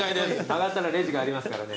上がったらレジがありますからね。